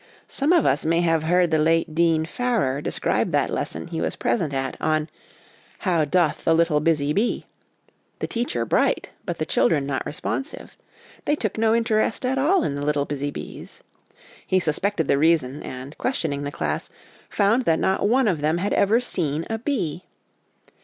Some of us may have heard the late Dean Farrar describe that lesson he was present at, on ' How doth the little busy bee 'the teacher bright, but the children not responsive ; they took no interest at all in little busy bees. He suspected the reason, and questioning the class, found that not one of them had ever seen a bee.